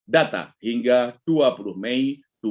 data hingga dua puluh mei dua ribu dua puluh